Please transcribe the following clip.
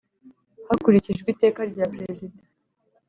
Hakurikijwe Iteka rya Perezida